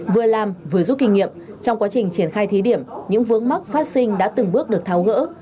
vừa làm vừa rút kinh nghiệm trong quá trình triển khai thí điểm những vướng mắc phát sinh đã từng bước được tháo gỡ